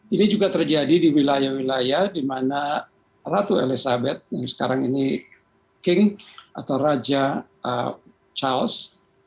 ini juga terjadi di wilayah wilayah di mana ratu elizabeth yang sekarang ini king atau raja charles